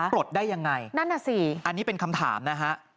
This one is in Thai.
ปลดได้ยังไงนั่นน่ะสิอันนี้เป็นคำถามนะฮะ